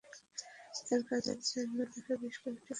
তার কাজের জন্য তাকে বেশ কয়েকটি পদক দেওয়া হয়েছিল।